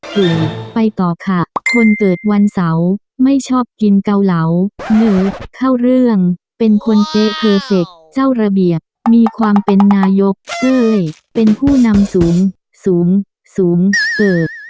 คือไปต่อค่ะคนเกิดวันเสาร์ไม่ชอบกินเกาเหลาหรือเข้าเรื่องเป็นคนเก๊เพอร์เฟคเจ้าระเบียบมีความเป็นนายกเก้ยเป็นผู้นำสูงสูงเกิด